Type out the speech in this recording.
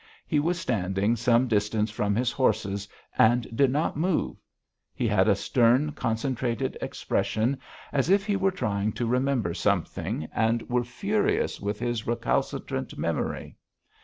He was standing some distance from his horses and did not move; he had a stern concentrated expression as if he were trying to remember something and were furious with his recalcitrant memory.